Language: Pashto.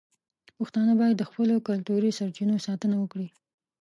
پښتانه باید د خپلو کلتوري سرچینو ساتنه وکړي.